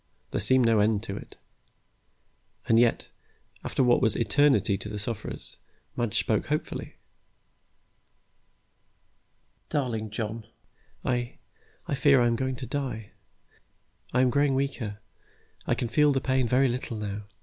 There seemed to be no end to it. And yet, after what was eternity to the sufferers, Madge spoke hopefully. "Darling John, I I fear I am really going to die. I am growing weaker. I can feel the pain very little now.